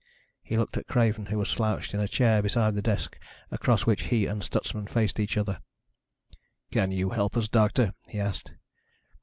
He looked at Craven, who was slouched in a chair beside the desk across which he and Stutsman faced each other. "Can you help us, doctor?" he asked.